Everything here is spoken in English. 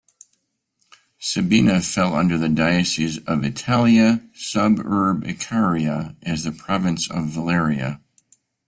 Sabina fell under the diocese of "Italia suburbicaria" as the province of "Valeria".